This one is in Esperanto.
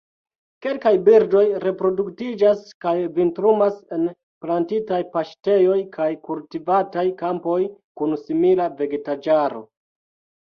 Kelkaj birdoj reproduktiĝas kaj vintrumas en plantitaj paŝtejoj kaj kultivataj kampoj kun simila vegetaĵaro.